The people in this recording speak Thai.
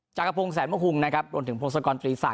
จากกระพงแสนมหุงนะครับลงถึงพรงศักรณ์กรตรีศาสตร์